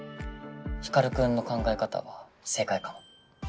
光君の考え方は正解かも。